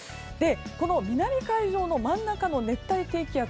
この南海上の真ん中の熱帯低気圧